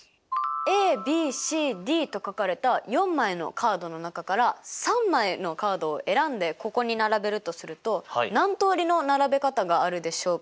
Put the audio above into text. ＡＢＣＤと書かれた４枚のカードの中から３枚のカードを選んでここに並べるとすると何通りの並べ方があるでしょうか？